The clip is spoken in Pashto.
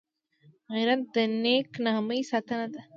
غیرت د نېک نامۍ ساتنه ده